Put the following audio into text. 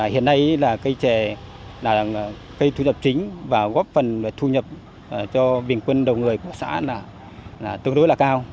hiện nay cây chè là cây thu nhập chính và góp phần thu nhập cho bình quân đầu người của xã tương đối là cao